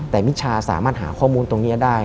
แต่มิชาสามารถหาข้อมูลตรงนี้ได้